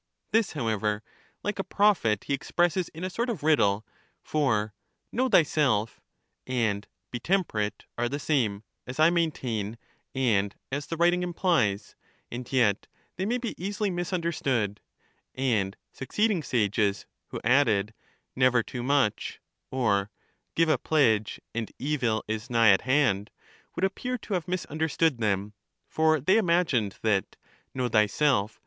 " This, however, like a prophet he expresses in a sort of riddle, for " Know thyself! " and " Be tem perate! " are the same, as I maintain, and as the wri ting implies, and yet they may be easily misunder stood; and succeeding sages who added " Never too much," or " Give a pledge, and evil is nigh at hand," would appear to have misunderstood them; for they imagined that " Know thyself!